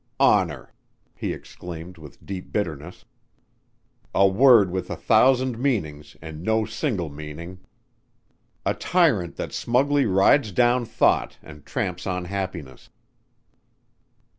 "Honor!" he exclaimed with deep bitterness. "A word with a thousand meanings and no single meaning! A tyrant that smugly rides down thought and tramps on happiness!"